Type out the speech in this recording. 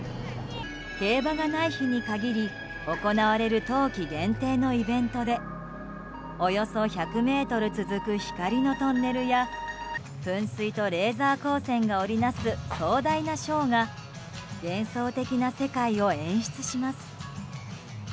競馬がない日に限り行われる冬季限定のイベントでおよそ１００ｍ続く光のトンネルや噴水とレーザー光線が織りなす壮大なショーが幻想的な世界を演出します。